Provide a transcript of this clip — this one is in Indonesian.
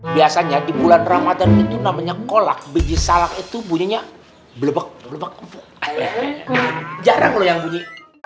biasanya di bulan ramadhan itu namanya kolak biji salak itu bunyinya blebek jarang loyang bunyi